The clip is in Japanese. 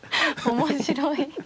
面白い。